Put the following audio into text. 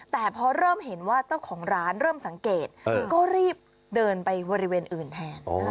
แต่พอเริ่มเห็นว่าเจ้าของร้านเริ่มสังเกตก็รีบเดินไปบริเวณอื่นแทน